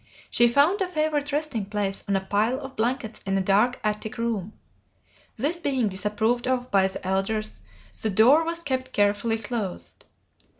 She found a favorite resting place on a pile of blankets in a dark attic room. This being disapproved of by the elders, the door was kept carefully closed.